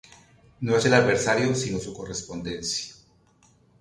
No es el adversario sino su correspondencia".